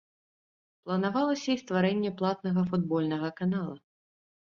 Планавалася і стварэнне платнага футбольнага канала.